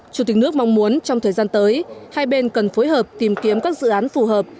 chủ tịch nước mong muốn trong thời gian tới hai bên cần phối hợp tìm kiếm các dự án phù hợp